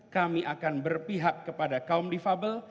kami akan berpihak kepada kaum difabel